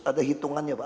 ada hitungannya mbak